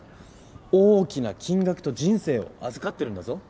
大きな金額と人生を預かってるんだぞ？